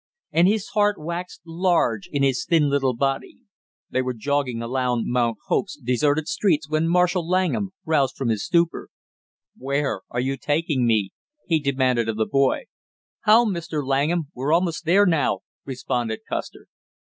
And his heart waxed large in his thin little body. They were jogging along Mount Hope's deserted streets when Marshall Langham roused from his stupor. "Where are you taking me?" he demanded of the boy. "Home, Mr. Langham we're almost there now," responded Custer.